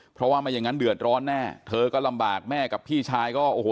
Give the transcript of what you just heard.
เพราะว่าไม่อย่างนั้นเดือดร้อนแน่เธอก็ลำบากแม่กับพี่ชายก็โอ้โห